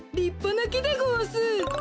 なきでごわす！